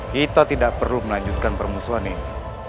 kita tidak perlu melanjutkan permusuhan ini